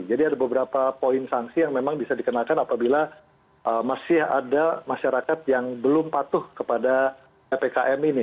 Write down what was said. jadi ada beberapa poin sanksi yang memang bisa dikenakan apabila masih ada masyarakat yang belum patuh kepada ppkm ini